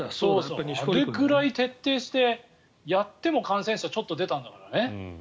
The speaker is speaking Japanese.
あれぐらい徹底してやっても、感染者はちょっと出たんだからね。